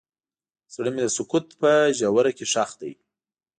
زړه مې د سکوت په ژوره کې ښخ دی.